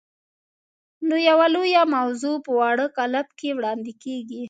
نو یوه لویه موضوع په واړه کالب کې وړاندې کېږي.